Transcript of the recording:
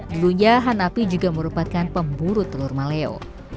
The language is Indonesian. dulunya hanapi juga merupakan pemburu telur maleo